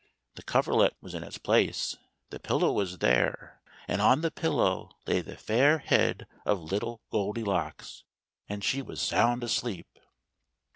The coverlet was in its place, the pillow was there, and on the pillow lay the fair head of little Goldilocks. And she was sound asleep.